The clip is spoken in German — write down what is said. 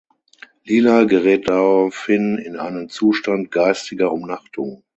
Lila gerät daraufhin in einen Zustand geistiger Umnachtung.